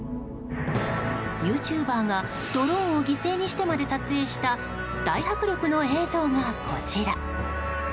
ユーチューバーが、ドローンを犠牲にしてまで撮影した大迫力の映像がこちら。